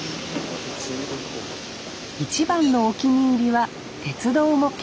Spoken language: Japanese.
一番のお気に入りは鉄道模型